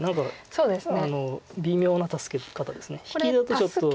そうですね。